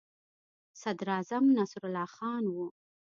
صدراعظم نصرالله خان وو.